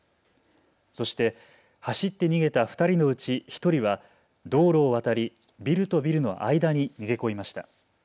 そして走って逃げた２人のうち１人は道路を渡りビルとビルの間に逃げ込みました。